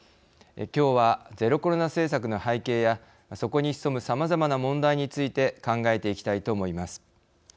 きょうはゼロコロナ政策の背景やそこに潜むさまざまな問題について考えていきたいと思います。